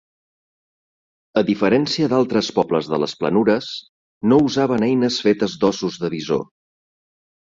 A diferència d'altres pobles de les planures no usaven eines fetes d'ossos de bisó.